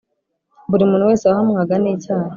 buri muntu wese wahamwaga ni cyaha